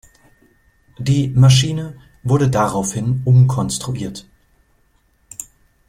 Die Maschine wurde daraufhin umkonstruiert.